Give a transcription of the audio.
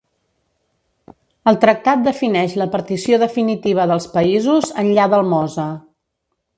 El tractat defineix la partició definitiva dels Països enllà del Mosa.